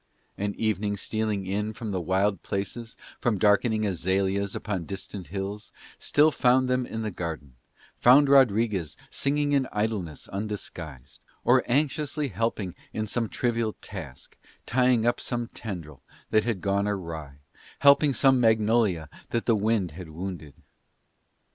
And evening stealing in from the wild places, from darkening azaleas upon distant hills, still found them in the garden, found Rodriguez singing in idleness undisguised, or anxiously helping in some trivial task, tying up some tendril that had gone awry, helping some magnolia that the wind had wounded.